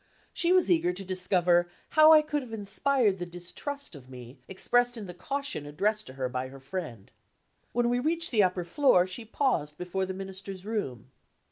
She was eager to discover how I could have inspired the distrust of me, expressed in the caution addressed to her by her friend. When we reached the upper floor, she paused before the Minister's room.